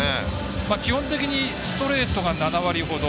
基本的にストレートが７割ほど。